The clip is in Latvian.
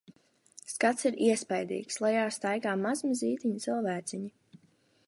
Skats ir iespaidīgs - lejā staigā mazmazītiņi cilvēciņi.